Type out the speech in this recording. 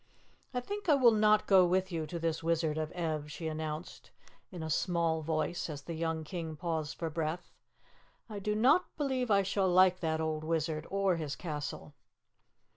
"I think I will not go with you to this Wizard of Ev," she announced in a small voice as the young King paused for breath. "I do not believe I shall like that old wizard or his castle."